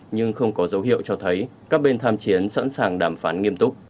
nhưng không có dấu hiệu cho thấy các bên tham chiến sẵn sàng đàm phán nghiêm túc